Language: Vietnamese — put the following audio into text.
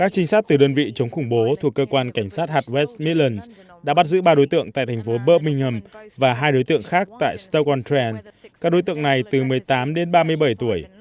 sinh sát từ đơn vị chống khủng bố thuộc cơ quan cảnh sát hạt west midlands đã bắt giữ ba đối tượng tại thành phố birmingham và hai đối tượng khác tại stoke on trent các đối tượng này từ một mươi tám đến ba mươi bảy tuổi